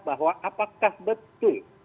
bahwa apakah betul